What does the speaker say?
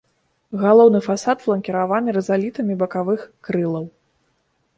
Галоўны фасад фланкіраваны рызалітамі бакавых крылаў.